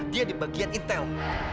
dia di bagian intel